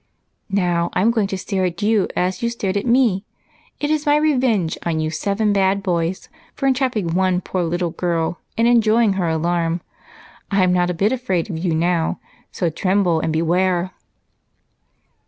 "Now, I'm going to stare at you as you stared at me. It is my revenge on you seven bad boys for entrapping one poor little girl and enjoying her alarm. I'm not a bit afraid of you now, so tremble and beware!"